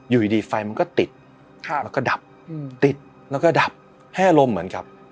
อยู่ดีไฟมันก็ติดแล้วก็ดับติดแล้วก็ดับให้อารมณ์เหมือนกับ